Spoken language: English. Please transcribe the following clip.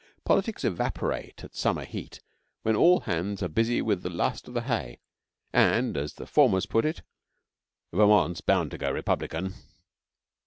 Politics evaporate at summer heat when all hands are busy with the last of the hay, and, as the formers put it, 'Vermont's bound to go Republican.'